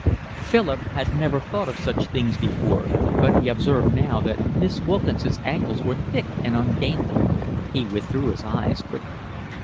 Philip had never thought of such things before, but he observed now that Miss Wilkinson's ankles were thick and ungainly. He withdrew his eyes quickly.